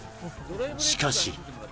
しかし。